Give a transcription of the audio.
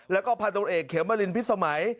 และผ่านตัวเอกเขียวมารินพิษไหม